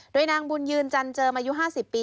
โดยนางบุญยืนจันเจิมอายุ๕๐ปี